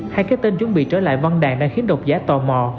hai cái tên chuẩn bị trở lại văn đàn đã khiến độc giá tò mò